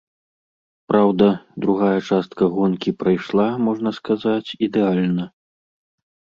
Праўда, другая частка гонкі прайшла, можна сказаць, ідэальна.